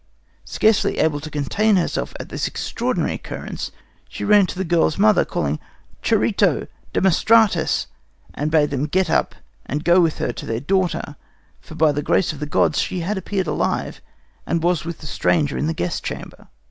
Scarcely able to contain herself at this extraordinary occurrence, she ran to the girl's mother, calling: 'Charito! Demostratus!' and bade them get up and go with her to their daughter, for by the grace of the gods she had appeared alive, and was with the stranger in the guest chamber.